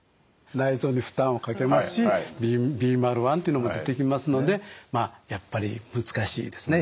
内臓に負担をかけますしビーマル１というのも出てきますのでまあやっぱり難しいですね。